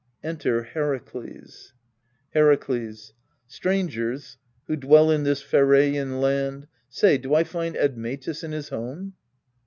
Enter HEKAKLES Herakles. Strangers, who dwell in this Pheraian land, Say, do I find Admetus in his home?